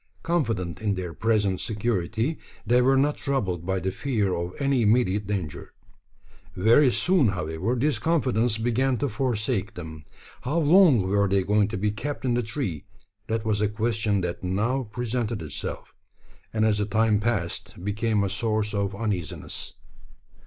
Confident in their present security, they were not troubled by the fear of any immediate danger. Very soon, however, this confidence began to forsake them. How long were they going to be kept in the tree? That was a question that now presented itself; and as the time passed, became a source of uneasiness.